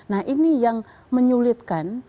nah ini yang menyulitkan